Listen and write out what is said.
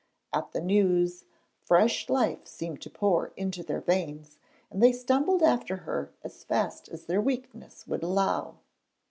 At the news, fresh life seemed to pour into their veins and they stumbled after her as fast as their weakness would allow.